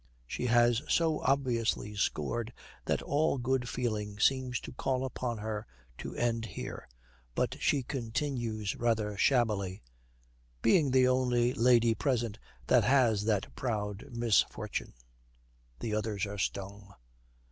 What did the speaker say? She has so obviously scored that all good feeling seems to call upon her to end here. But she continues rather shabbily, 'Being the only lady present that has that proud misfortune.' The others are stung.